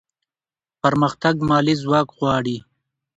پرمختګ مالي ځواک غواړي.